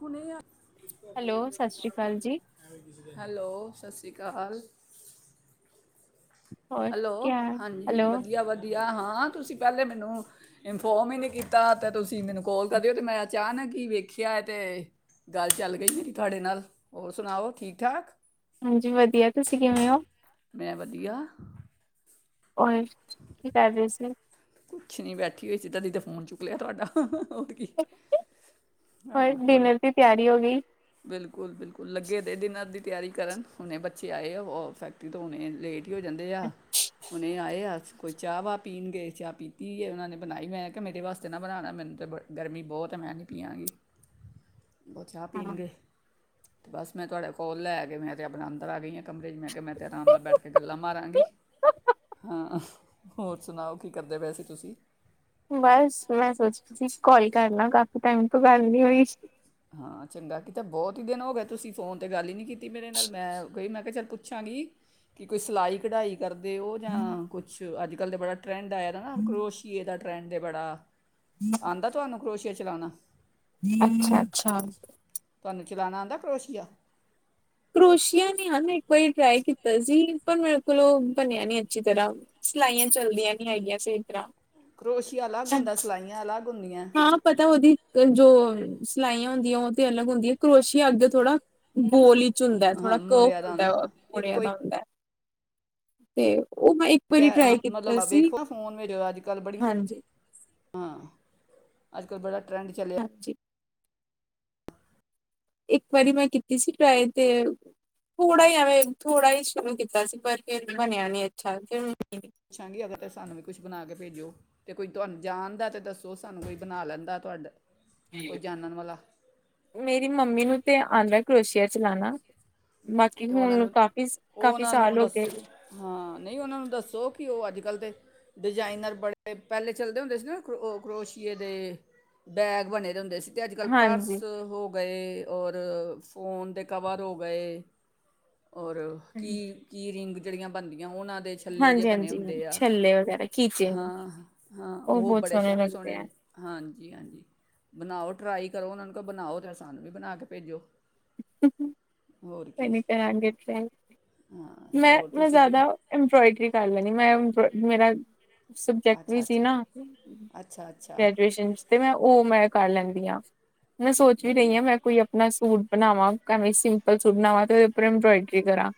ਹੁਣੇ ਆ ਹੈਲੋ ਸਤਿ ਸ੍ਰੀ ਅਕਾਲ ਜੀ [inaudible] ਹੈਲੋ, ਸਸ਼ ਰੀ ਕਾਲ। ਹੋਰ ਹੈਲੋ, ਕੀ ਹਾਲ ਹਾਂਜੀ ਹੈਲੋ ਵਧੀਆ- ਵਧੀਆ, ਹਾਂ ਤੁਸੀਂ ਪਹਿਲੇ ਮੈਨੂੰ ਇਨਫੋਰਮ ਹੀ ਨਹੀਂ ਕੀਤਾ, ਤਾਂ ਤੁਸੀਂ ਮੈਨੂੰ ਕੋਲ ਕਰ ਦਿਓ, ਤੇ ਮੈਂ ਅਚਾਨਕ ਹੀ ਵੇਖਿਆ। ਤੇ ਗੱਲ ਚੱਲ ਗਈ ਮੇਰੀ ਤੁਹਾਡੇ ਨਾਲ, ਹੋਰ ਸੁਣਾਓ, ਠੀਕ- ਠਾਕ। ਹਾਂਜੀ ਵਧੀਆ, ਤੁਸੀਂ ਕਿਵੇਂ ਹੋ। ਮੈਂ ਵਧੀਆ। ਓਏ, ਕੀ ਕਰ ਰਹੇ ਸੀ। ਕੁਛ ਨੀ ਬੈਠੀ ਹੋਈ ਸੀ, ਤਦੀ ਤੇ ਫੋਨ ਚੁੱਕ ਲਿਆ ਤੁਹਾਡਾ। ਕੀ, ਹਾਂ ਹੋਰ ਡਿਨਰ ਦੀ ਕੀ ਤਿਆਰੀ ਹੋ ਗਈ। ਬਿਲਕੁਲ-ਬਿਲਕੁਲ ਲੱਗੇ ਦੇ ਡਿਨਰ ਦੀ ਤਿਆਰੀ ਕਰਨ, ਹੁਣੇ ਬੱਚੇ ਆਏ, ਉਹ ਫੈਕਟਰੀ ਤੋਂ ਹੁਣੇ ਲੇਟ ਹੀ ਹੋ ਜਾਂਦੇ ਆ, ਹੁਣੇ ਆਏ ਆ। ਕੋਈ ਚਾਹ ਵਾਹ ਪੀਣਗੇ, ਚਾਹ ਪੀਤੀ ਹੋਈ ਐ ਉਹਨਾਂ ਨੇ ਬਣਾਈ, ਮੈਂ ਕਿਹਾ ਮੇਰੇ ਵਾਸਤੇ ਨਾ ਬਣਾਣਾ, ਮੈਨੂੰ ਤਾਂ ਬੜ ਗਰਮੀ ਬਹੁਤ ਐ, ਮੈਂ ਨਹੀਂ ਪੀਆਂਗੀ। [unintelligible] ਬਹੁ ਚਾਹ ਪੀਣਗੇ, ਤੇ ਬਸ ਮੈਂ ਤੁਹਾਡੇ ਕੌਲ ਲੈ ਕੇ ਮੈਂ ਤੇ ਆਪਣੇ ਅੰਦਰ ਆਂ ਗਈ ਹਾਂ ਕਮਰੇ ਚ, ਮੈਂ ਕਿਹਾ ਮੈਂ ਤੇ ਆਰਾਮ ਨਾਲ ਬੈਠ ਕੇ ਗੱਲਾਂ ਮਾਰਾਂਗੀ, ਹਾਂ। ਹੋਰ ਸੁਣਾਓ, ਕੀ ਕਰਦੇ ਪਏ ਸੀ ਤੁਸੀਂ। ਬਸ ਮੈਂ ਸੋਚਦੀ ਸੀ ਕੌਲ ਕਰਲਾ, ਕਾਫੀ ਟਾਈਮ ਤੋਂ ਗੱਲ ਨੀ ਹੋਈ। ਹਾਂ ਚੰਗਾ ਕੀਤਾ, ਬਹੁਤ ਹੀ ਦਿਨ ਹੋ ਗਏ ਤੁਸੀਂ ਫ਼ੋਨ ਤੇ ਗੱਲ ਹੀ ਨਹੀਂ ਕੀਤੀ ਮੇਰੇ ਨਾਲ, ਮੈਂ ਕਿਹਾ ਚੱਲ ਪੁੱਛਾਂਗੀ। ਕੀ ਕੋਈ ਸਿਲਾਈ, ਕਢਾਈ ਕਰਦੇ ਉਹ ਜਾਂ ਕੁਛ, ਅੱਜ- ਕੱਲ੍ਹ ਤਾਂ ਬੜਾ ਟਰੈਂਡ ਆਏ ਦਾ ਨਾ, ਕਰੋਸ਼ੀਏ ਦਾ ਟਰੈਂਡ ਐ ਬੜਾ। ਆਂਦਾ ਤੁਹਾਨੂੰ ਕਰੋਸ਼ੀਆ ਚਲਾਣਾ। ਅੱਛਾ-ਅੱਛਾ, ਤੁਹਾਨੂੰ ਚਲਾਣਾ ਆਂਦਾ ਕਰੋਸ਼ੀਆ। ਕਰੋਸ਼ਆ ਨੀ ਹਨਾ, ਮੈਂ ਇੱਕ ਵਾਰੀ ਟਰਾਈ ਕੀਤਾ ਸੀ, ਪਰ ਮੇਰੇ ਕੋਲੋਂ ਉਹ ਬਣਿਆ ਨੀ ਅੱਛੀ ਤਰ੍ਹਾਂ। ਸਲਾਈਆਂ ਚੱਲਦੀਆਂ ਨੀ ਹੈਗੀਆਂ ਸਹੀ ਤਰ੍ਹਾਂ। ਕਰੋਸ਼ੀਆ ਅਲੱਗ ਹੁੰਦਾ, ਸਲਾਈਆਂ ਅਲੱਗ ਹੁੰਦੀਆਂ। ਹਾਂ ਪਤਾ ਉਹਦੀ ਜੋ ਸਲਾਈਆਂ ਹੁੰਦੀਆਂ ਉਹ ਤੇ ਅਲੱਗ ਹੁੰਦੀ ਏ, ਕਰੋਸ਼ੀਆ ਅੱਗੇ ਥੋੜਾ ਗੋਲ ਚੀ ਹੁੰਦਾ, ਹਾਂ ਥੋੜਾ ਕਰਵ ਮੁੜਿਆ ਦਾ ਆਉਂਦਾ ਹੁੰਦਾ ਹਾਂ ਬਣਿਆ ਇੱਕੋ ਹੀ ਦਾ ਹੁੰਦਾ। ਤੇ ਉਹ ਮੈਂ ਇੱਕ ਵਾਰੀ ਕਹਿ ਅ ਟਰਾਈ ਕੀਤਾ ਮਤਲਬ ਸੀ ਵੇਖੋ ਫੋਨ ਮੇਰੇ ਵਾਰੀ, ਅੱਜ- ਕੱਲ੍ਹ ਬੜੀਆਂ ਹਾਂਜੀ ਹਾਂ, ਅੱਜ- ਕੱਲ੍ਹ ਬੜਾ ਟਰੈਂਡ ਚੱਲਿਆ। [inaudible] ਇੱਕ ਵਾਰੀ ਮੈਂ ਕੀਤੀ ਸੀ ਟਰਾਏ ਤੇ ਥੋੜ੍ਹਾ ਹੀ ਐਵੇਂ ਥੋੜ੍ਹਾ ਹੀ ਸ਼ੁਰੂ ਕੀਤਾ ਸੀ, ਪਰ ਫਿਰ ਬਣਿਆ ਨੀ ਅੱਛਾ ਫੇਰ ਮੈਂ ਪੁੱਛਾਂਗੀ, ਅਗਰ ਤੇ ਸਾਨੂੰ ਵੀ ਕੁੱਛ ਬਣਾ ਕੇ ਭੇਜੋ। ਤੇ ਕੋਈ ਤੁਹਾਨੂੰ ਜਾਣਦਾ ਤਾਂ ਦੱਸੋ, ਸਾਨੂੰ ਕੋਈ ਬਣਾ ਲੈਂਦਾ, ਤੁਹਾਡਾ ਕੋਈ ਜਾਣਨ ਵਾਲਾ। ਮੇਰੀ ਮੰਮੀ ਨੂੰ ਤੇ ਆਂਦਾ ਕਰੋਸ਼ੀਆ ਚਲਾਣਾ। ਬਾਕੀ ਤੇ ਉਹਨਾਂ ਹੁਣ ਨੂੰ ਕਾਫ਼ੀ-ਕਾਫੀ ਉਹਨਾਂ ਨੂੰ ਸਾਲ ਹੋਗੇ। ਦੱਸੋ ਹਾਂ, ਨਹੀਂ ਉਹਨਾਂ ਨੂੰ ਦੱਸੋ, ਕਿ ਉਹ ਅੱਜ- ਕੱਲ੍ਹ ਦੇ ਡਿਜ਼ਾਇਨਰ ਬੜੇ ਪਹਿਲੇ ਚੱਲਦੇ ਹੁੰਦੇ ਸੀ, ਨਾ ਕਰੋਸੀਏ ਦੇ। ਬੈਗ ਬਣੇ ਦੇ ਹੁੰਦੇ ਸੀ। ਤੇ ਅੱਜ- ਕੱਲ੍ਹ ਹਾਂਜੀ ਪਰਸ ਹੋ ਗਏ, ਔਰ ਫੋਨ ਦੇ ਕਵਰ ਹੋ ਗਏ। ਔਰ ਹਾਂਜੀ ਕੀਅ-ਕੀਅ ਰਿੰਗ ਜਿਹੜੀਆਂ ਬਣਦੀਆਂ, ਉਹਨਾਂ ਦੇ ਛੱਲੇ ਜਿਹੇ ਹਾਂਜੀ ਬਣੇ ਹਾਂਜੀ ਹੁੰਦੇ ਆ। ਛੱਲੇ ਵਗੈਰਾ ਖੀਚੇ ਹਾਂ -ਹਾਂ ਉਹ ਬਹੁਤ ਬੜੇ ਸੋਹਣੇ- ਲੱਗਦੇ ਆ ਸੋਹਣੇ। ਹਾਂਜੀ -ਹਾਂਜੀ ਬਣਾਓ ਟਰਾਈ ਕਰੋ ਉਹਨਾਂ ਨੂੰ ਕਹੋ ਬਣਾਓ ਤੇ ਸਾਨੂੰ ਵੀ ਬਣਾ ਕੇ ਭੇਜੋ। ਹੋਰ ਕੀ ਪੇਮਟਾਂ ਰਾਹੀ ਗਿਫਟ ਰਾਈ ਹਾਂ, ਹੋਰ ਤੁਸੀਂ ਕੀ। ਇੰਬਰੋਇਡਰੀ ਟੱਲ ਰੈਣੀ ਮੈਂ ਮੇਰਾ ਸਬਜੈਕਟ ਵੀ ਅੱਛਾ ਸੀ ਅੱਛਾ ਨਾ ਅੱਛਾ ਅੱਛਾ ਗ੍ਰੈਜੂਏਸ਼ਨ ਚ ਤੇ ਮੈਂ ਉਹ ਮੈਂ ਕਰ ਲੈਂਦੀ ਹਾਂ ਮੈਂ ਸੋਚ ਵੀ ਰਹੀ ਵਧੀਆ ਹਾਂ ਮੈਂ ਕੋਈ ਆਪਣਾ ਸੂਟ ਬਣਾਵਾਂ ਭਾਵੇਂ ਸਿੰਪਲ ਸੂਟ ਬਣਾਵਾਂ ਤੇ ਉੱਪਰ ਇੰਬਰੋਇਡਰੀ ਕਰਾ।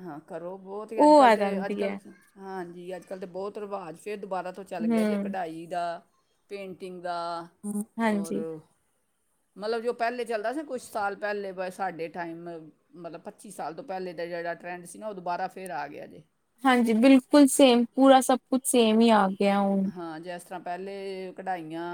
ਹਾਂ ਕਰੋ ਬਹੁਤ ਹੀ ਅੱਜ ਕੱਲ ਤੇ ਅੱਜ ਕੱਲ ਹੈ ਹਾਂਜੀ ਅੱਜ ਕੱਲ ਤਾਂ ਬਹੁਤ ਰਿਵਾਜ਼ ਫਿਰ ਦੁਬਾਰਾ ਤੋਂ। ਚੱਲ ਗਿਆ ਜੇ ਹਮ ਕਢਾਈ, ਦਾ ਪੇਂਟਿੰਗ ਦਾ। ਔਰ ਹਾਂਜੀ ਮਤਲਬ ਜੋ ਪਹਿਲੇ ਚੱਲਦਾ ਸੀ ਕੁਛ ਸਾਲ ਪਹਿਲੇੇ ਬ ਸਾਡੇ ਟਾਈਮ। ਮਤਲਬ ਪੱਚੀ ਸਾਲ ਤੋਂ ਪਹਿਲੇ ਦਾ ਜਿਹੜਾ ਟਰੈਂਡ ਸੀ ਨਾ। ਉਹ ਦੁਬਾਰਾ ਫਿਰ ਆ ਗਿਆ ਜੇ। ਹਾਂਜੀ ਬਿਲਕੁਲ ਸੇਮ ਪੂਰਾ ਸਭ ਕੁੱਛ ਸੇਮ ਈ ਆ ਗਿਆ ਓ ਹਾਂ ਜੈਸ ਤਰ੍ਹਾਂ ਪਹਿਲੇ ਕੜਾਈਆਂ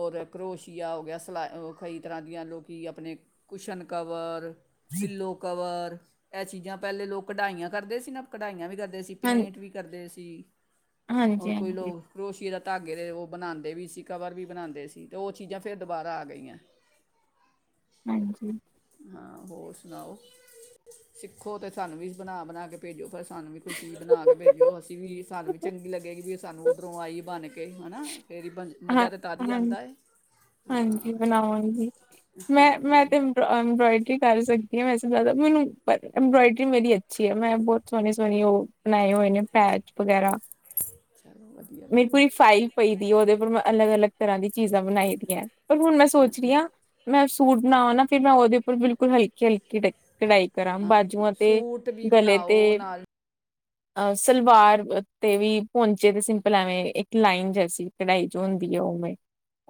ਔਰ ਕਰੋਸ਼ੀਆ ਹੋ ਗਿਆ ਸਲਾਈ ਕਈ ਤਰ੍ਹਾਂ ਦੀਆਂ ਲੋਕੀ ਆਪਣੇ ਕੁਸ਼ਨ ਕਵਰ। ਪਿੱਲੋ ਕਵਰ ਐ ਚੀਜ਼ਾਂ ਪੈਲੇ ਲੋਕ ਕਢਾਈਆਂ ਕਰਦੇ ਸੀ ਨਾ ਕਢਾਈਆਂ ਵੀ ਕਰਦੇ ਸੀ ਹਾਂ ਪੇਂਟ ਵੀ ਕਰਦੇ ਸੀ ਹੋਰ ਹਾਂਜੀ ਕੋਈ ਹਾਂਜੀ ਲੋਗ ਕਰੋਸ਼ੀਏ ਦਾ ਧਾਗੇ ਦੇ ਓ ਬਣਾਂਦੇ ਵੀ ਸੀ ਕਵਰ ਵੀ ਬਣਾਂਦੇ ਸੀ ਤੇ ਓ ਚੀਜ਼ਾਂ ਫਿਰ ਦੁਬਾਰਾ ਆ ਗਈ ਐ। ਹਾਂਜੀ। ਹਾਂ ਹੋਰ ਸੁਣਾਓ ਸਿੱਖੋ ਤੇ ਸਾਨੂੰ ਵੀ ਬਣਾ -ਬਣਾ ਕੇ ਭੇਜੋ ਪਰਸ ਸਾਨੂੰ ਵੀ ਕੋਈ ਚੀਜ਼ ਬਣਾ ਕੇ ਭੇਜਿਓ। ਅਸੀਂ ਵੀ ਸਾਨੂੰ ਵੀ ਚੰਗੀ ਲੱਗੇ। ਕਹੇ ਗੀ ਸਾਨੂੰ ਉੱਧਰੋਂ ਆਈ ਬਣ ਕੇ ਹਨਾ ਫਿਰ ਹੀ ਬਣ ਹਾਂ, ਮਜ਼ਾ ਤੇ ਤਦ ਹੀ ਹਾਂ ਆਂਦਾ ਏ ਹਾਂ ਹਾਂਜੀ ਬਣਾਵਾਂਗੀ ਮੈਂ ਮੈਂ ਹਾਂਜੀ ਤੇ ਅੰਬਰੋਇਡਰੀ ਕਰ ਸਕਦੀ ਹਾਂ ਵੈਸੇ ਜ਼ਿਆਦਾ ਮੈਨੂੰ ਪਰ ਅੰਬਰੋਇਡਰੀ ਮੇਰੀ ਅੱਛੀ ਹੈ। ਮੈਂ ਬਹੁਤ ਸੋਹਣੀ ਸੋਹਣੀ ਉਹ ਬਣਾਏ ਹੋਏ ਨੇ ਪੈਚ ਵਗੈਰਾ। ਚਲ ਮੇਰੇ ਕੋਲ ਫਾਈਲ ਪਈ ਦੀ ਉਦੇ ਮੈਂ ਅਲਗ ਅਲੱਗ ਤਰ੍ਹਾਂ ਦੀ ਚੀਜ਼ਾਂ ਬਣਾਈ ਦੀਆਂ। ਪਰ ਹੁਣ ਮੈਂ ਸੋਚ ਰਹੀ ਹਾਂ। ਮੈਂ ਸੂਟ ਬਣਾਵਾਂ ਨਾ ਫਿਰ ਮੈਂ ਉਹਦੇ ਉੱਪਰ ਬਿਲਕੁਲ ਹਲਕੀ- ਹਲਕੀ ਕਢਾਈ ਕਰਾਂ ਹਾਂ ਬਾਜੂਆਂ ਤੇ, ਸੂਟ ਵੀ ਗਲੇ ਤੇ। ਬਣਾਓ ਨਾਲ ਅਸਲਵਾਰ ਤੇ ਵੀ ਪੌਂਚੇ ਤੇ ਸਿਮ ਪਲ ਐਵੇਂ ਇੱਕ ਲਾਈਨ ਜੈਸੀ ਕਢਾਈ ਹੁੰਦੀ ਹੈ ਉਵੇਂ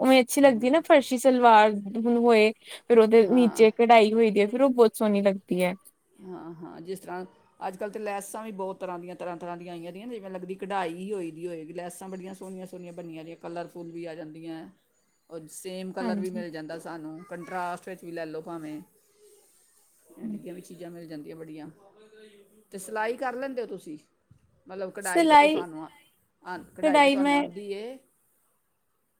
ਓਵੇਂ ਅੱਛੀ ਲੱਗਦੀ ਹਾਂਜੀ ਨਾ ਫਰਸ਼ੀ ਸਲਵਾਰ ਦੁਗਣੋ ਏ। ਫਿਰ ਉਦੇ ਹਾਂ ਨੀਚੇ ਕਢਾਈ ਹੋਈ ਦੀ ਫਿਰ ਉਹ ਬਹੁਤ ਸੋਣੀ ਲੱਗਦੀ ਹੈ। ਹਾਂ-ਹਾਂ ਜਿਸ ਤਰ੍ਹਾਂ ਅੱਜ ਕੱਲ ਤਾਂ ਲੈਸਾਂ ਵੀ ਬਹੁਤ ਤਰ੍ਹਾਂ ਦੀਆਂ ਤਰ੍ਹਾਂ ਦੀਆਂ ਆਈਆਂ ਦੀਆਂ ਜਿਵੇਂ ਲਗਦੀ ਕਢਾਈ ਈ ਹੋਈ ਦੀ ਹੋਏਗੀ ਲੈਸਾਂ ਬੜੀਆਂ ਸੋਣੀਆਂ ਅਗਲੀ ਬਨੀਆਂ ਕਲਰਫੁੱਲ ਵੀ ਆ ਜਾਂਦੀਆਂ ਹੈ। [inaudible] ਓ ਸੇਮ ਕਲਰ ਵੀ ਹਾਂਜੀ ਮਿਲ ਜਾਂਦਾ ਸਾਨੂੰ ਕੰਟਰਰਾਸਟ ਵਿੱਚ ਵੀ ਲੈ ਲੋ ਭਾਵੇਂ। ਐਵੇਂ ਕਿਵੇਂ ਚ ਚੀਜ਼ਾਂ ਮਿਲ ਜਾਂਦੀਆਂ ਬੜੀਆਂ ਤੇ ਸਿਲਾਈ ਕਰ ਲੈਂਦੇ ਓ ਤੁਸੀਂ? ਮਤਲਬ ਕੜਾਈ ਤੇ ਤੂੰ ਸਿਲਾਈ ਸਾਨੂੰ ਆ ਕੜਾਈ ਤੇ ਕਢਾਈ ਤੁਹਾਨੂੰ ਮੈਂ ਆਂਦੀ ਏ?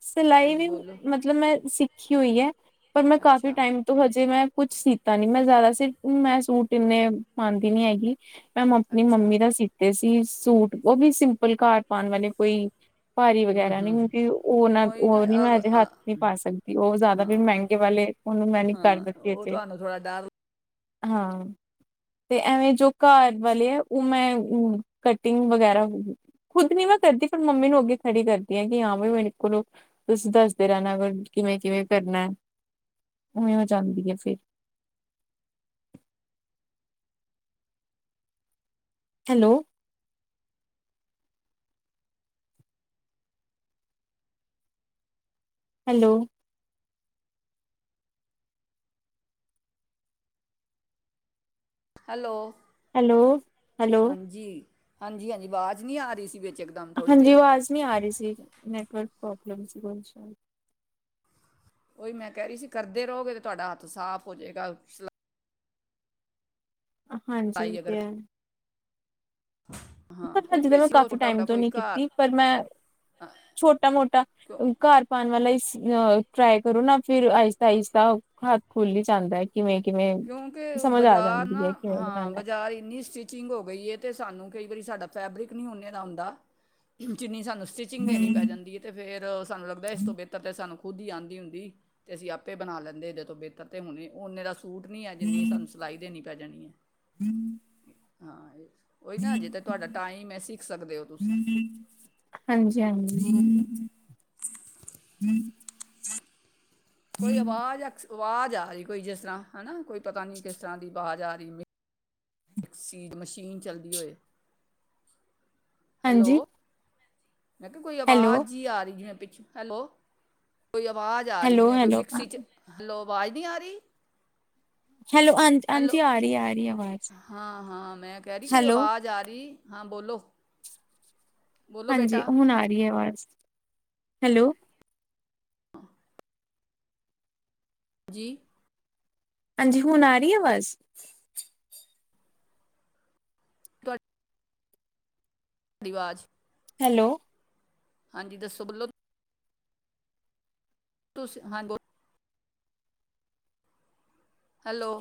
ਸਿਲਾਈ ਵੀ ਮਤਲਬ ਮੈਂ ਸਿੱਖੀ ਹੋਈ ਐ ਪਰ ਮੈਂ ਕਾਫੀ ਅੱਛਾ ਟਾਈਮ ਤੋ ਹਜੇ ਮੈਂ ਕੁੱਛ ਸੀਤਾ ਨੀ ਮੈਂ ਜਾਦਾ ਸਿਰਫ ਮੈਂ ਸੂਟ ਇੰਨੇ ਪਾਂਦੀ ਨੀ ਹੈਗੀ। ਮੈਂ ਮੰਮੀ ਅੱਛਾ ਮੰਮੀ ਦਾ ਸੀਤੇ ਸੀ ਸੂਟ ਓ ਵੀ ਸਿੰਪਲ ਘਰ ਪਾਣ ਵਾਲੇ ਕੋਈ ਭਾਰੀ ਹੂੰ ਵਗੈਰਾ ਨੀ ਹੂੰ ਯੂਟੀਊਬ ਓਨਾ ਉਹੀ ਨਾ ਓ ਨੀ ਮੈਂ ਅ- ਅਜੇ ਹੱਥ ਨੀ ਅ- ਪਾ ਸਕਦੀ ਓ ਜਾਦਾ ਵੀ ਮੈਂਗੇ ਵਾਲੇ ਉਹਨੂੰ ਮੈਂ ਨੀ ਕਰ ਦ ਓ ਤੁਹਾਨੂੰ ਥੋੜਾ ਡਰ ਹਾਂ। ਤੇ ਐਵੇਂ ਜੋ ਘਰ ਵਾਲੇ ਆ, ਓ ''ਮੈਂ ਕਟਿੰਗ ਵਗੈਰਾ ਖੁਦ ਨੀ ਮੈਂ ਕਰਦੀ, ਪਰ ਮੰਮੀ ਨੂੰ ਅੱਗੇ ਖੜੀ ਕਰਦੀ ਆਂ, ਕੀ ਹਾਂ ਵੀ ਮੇਰੇ ਕੋਲੋ, ਤੁਸੀਂ ਦੱਸਦੇ ਰਹਿਣਾ, ਅਗ ਕਿਵੇਂ-ਕਿਵੇਂ ਕਰਨੈ। ਓਵੇਂ ਹੋ ਜਾਂਦੀ ਏ, ਫੇਰ। Hello. Hello. Hello. Hello hello ਹਾਂਜੀ, ਹਾਂਜੀ-ਹਾਂਜੀ ਅਵਾਜ਼ ਨੀ ਆਰੀ ਸੀ ਵਿਚ। ਹਾਂਜੀ ਅਵਾਜ ਨੀ ਆਰੀ ਸੀ, ਨੈਟਵਰਕ ਪ੍ਰੋਬਲਮ ਸੀ [unintelligible] ਓਈ ਮੈਂ ਕਹਿਰੀ ਸੀ, ਕਰਦੇ ਰਓਗੇ ਤੇ ਤੁਹਾਡਾ ਹੱਥ ਸਾਫ਼ ਹੋਜੇਗਾ ਹਾਂਜੀ, ਓ ਸਿਲਾਈ ਤੇ ਅਗਰ ਹੈ। [inaudible] ਪਰ ਹਜੇ ਤਾਂ ਵੀ ਮੈਂ ਸਿਲੋ ਕਾਫ਼ੀ ਛੋਟਾ ਟਾਈਮ ਮੋਟਾ ਤੋਂ ਕੋਈ ਨੀ ਘਰ ਕੀਤੀ, ਪਰ ਮੈਂ ਅ, ਛੋਟਾ-ਮ੍ਹੋਟਾ ਕਿਉਂ ਘਰ ਪਾਣ ਵਾਲਾ ਅ ਟਰਾਈ ਕਰੋ ਨਾ ਫਿਰ, ਆਇਸਤਾ-ਆਇਸਤਾ ਹੱਥ ਖੁੱਲ੍ਹ ਹੀ ਜਾਂਦਾ ਏ। ਕਿਵੇਂ-ਕਿਵੇਂ ਕਿਉਂਕਿ, ਬਾਜ਼ਾਰ ਨਾ, ਹਾਂ ਬਣਾਉਣਾ ਬਾਜ਼ਾਰ ਇੰਨੀ ਸੀ ਚਿੰਗ ਹੋ ਗਈ ਏ, ਤੇ ਸਾਨੂੰ ਕਈ ਵਾਰੀ ਸਾਡਾ ਫੈਬਰਿਕ ਨੀ ਓਨੇ ਦਾ ਹੁੰਦਾ, ਜਿੰਨੀ ਸਾਨੂੰ ਸਟਿਚ ਚਿੰਗ ਦੇਣੀ ਪੈ ਜਾਂਦੀ ਹੈ, ਤੇ ਫੇਰ ਸਾਨੂੰ ਲੱਗਦਾ ਇਸ ਤੋਂ ਬਿਹਤਰ ਤੇ ਸਾਨ ਖੁਦ ਹੀ ਆਂਦੀ ਹੁੰਦੀ ਤੇ ਅਸੀਂ ਆਪੇ ਬਣਾ ਲੈਂਦੇ ਹ ਇਹਦੇ ਤੋਂ ਬਿਹਤਰ, ਤੇ ਹੁਣੇ ਓਨੇ ਦਾ ਸੂਟ ਜਿੰਨੀ ਸਾਨੂੰ ਸਿਲਾਈ ਦੇਣੀ ਪੈ ਜਾਣੀ ਏ, ਹਾਂ ਇਹ ਓਹੀ ਨਾ ਹਜੇ ਤੇ ਤੁਹਾਡਾ ਟਾਈਮ ਏ, ਸਿੱਖ ਸਕਦੇ ਹੋ ਤੁਸੀਂ। ਹਾਂਜੀ-ਹਾਂਜੀ, ਜੀ-ਜੀ [unintelligible] ਕੋਈ ਅਵਾਜ਼, ਅਕਸ, ਅਵਾਜ਼ ਆਰੀ ਕੋਈ ਜਿਸ ਤਰ੍ਹਾਂ, ਹਨਾ ਕੋਈ ਪਤਾ ਨੀ ਕਿਸ ਤਰ੍ਹਾਂ ਦੀ ਵਾਜ਼ ਆਰੀ ਮਸੀਨ, ਮਸ਼ੀਨ ਚੱਲਦੀ ਹੋਏ। ਹਾਂਜੀ ਹੈਲੋ। ਮੈਂ ਕਿਆ ਕੋਈ ਹੈਲੋ ਆਵਾਜ਼ ਜੀ ਆ ਰਹੀ ਐ ਪਿੱਛੋਂ, ਹੈਲੋ। ਕੋਈ ਆਵਾਜ਼ ਆ ਰਹੀ, ਹੈਲੋ ਜਿਵੇਂ ਕੋਈ ਹੈਲੋ ਮਿਕਸੀ'ਚ ਹੈਲੋ, ਆਵਾਜ਼ ਨੀ ਆਰੀ। [unintelligible] ਹੈਲੋ। ਹਾਂਜੀ ਆ ਰਹੀ ਆ ਰਹੀ ਆਵਾਜ਼ ਹਾਂ-ਹਾਂ ਮੈਂ ਕਹਿਰੀ ਕੋਈ ਹੈਲੋ ਅਵਾਜ਼ ਆਰੀ? ਹਾਂ ਬੋਲੋ। ਬੋਲੋ ਹਾਂਜੀ, ਬੇਟਾ ਹੁਣ ਆਰੀ ਏ ਅਵਾਜ਼। ਜੀ। ਹਾਂਜੀ, ਹੁਣ ਆਰੀ ਐ ਅਵਾਜ਼? ਤੁਹਾ ਡੀ ਵਾਜ਼। ਹੈਲੋ। ਹਾਂਜੀ, ਦੱਸੋ ਬੋਲੋ। ਤੁਸ--ਹਾਂ ਬੋ ਹੈਲੋ।